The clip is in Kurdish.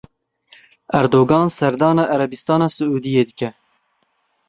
Erdogan serdana Erebistana Siûdiyê dike.